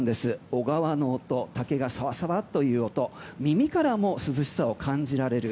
小川の音竹がさらさらっていう音耳からも涼しさを感じられる。